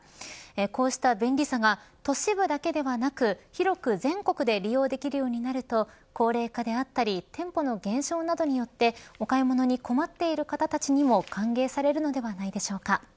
こうした便利さが都市部だけではなく広く全国で利用できるようになると高齢化であったり店舗の減少などによってお買い物に困っている方たちにも歓迎されるのではないでしょうか。